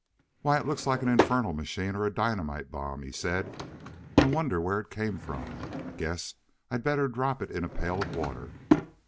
"Why, it looks like an infernal machine or a dynamite bomb," he said. "I wonder where it came from? Guess I'd better drop it in a pail of water.